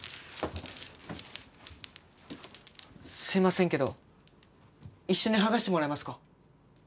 すいませんけど一緒に剥がしてもらえますか？